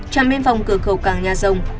chạm bên phòng cửa khẩu cảng nhà rồng